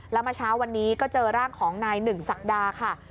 แล้วเมื่อเช้าวันนี้ก็เจอร่างของนายหนึ่งศักดาค่ะ